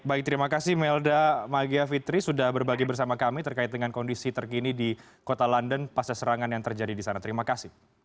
baik terima kasih melda magia fitri sudah berbagi bersama kami terkait dengan kondisi terkini di kota london pasca serangan yang terjadi di sana terima kasih